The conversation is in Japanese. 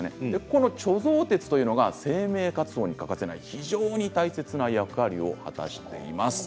この貯蔵鉄というのが生命活動に欠かせない非常に大切な役割を果たしています。